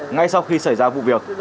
ngay sau khi xảy ra vụ việc